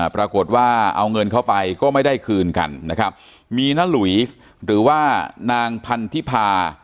ปรากฏว่าเอาเงินเข้าไปก็ไม่ได้คืนกันนะครับมีน้าหลุยหรือว่านางพันธิพา